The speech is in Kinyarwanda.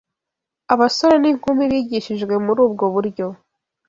Abasore n’inkumi bigishijwe muri ubwo buryo